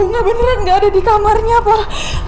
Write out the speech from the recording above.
nggak beneran gak ada di kamarnya pak